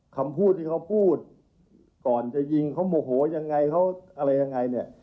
คำพูดที่เขาพูดก่อนจะยิงเขาโมโหอย่างไรเขาอะไรอย่างไร